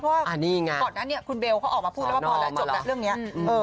เพราะว่าก่อนนั้นคุณเบลออกมาพบแล้วว่ามาตรกับเรื่องนี้